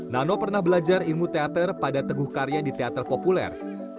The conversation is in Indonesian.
nano pernah belajar ilmu teater pada teguh karya di teater populer